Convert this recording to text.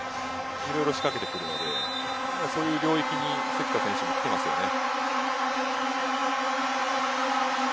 いろいろ仕掛けてくるのでそういう領域に関田選手もきていますよね。